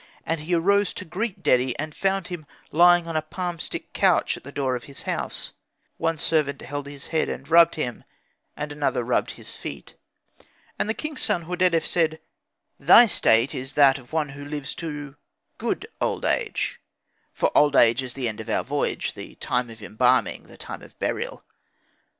And he arose to greet Dedi, and found him lying on a palmstick couch at the door of his house; one servant held his head and rubbed him, and another rubbed his feet. And the king's son Hordedef said, "Thy state is that of one who lives to good old age; for old age is the end of our voyage, the time of embalming, the time of burial.